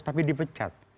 tapi di pecat